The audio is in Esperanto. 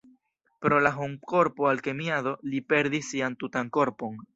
Pro la homkorpo-alkemiado, li perdis sian tutan korpon.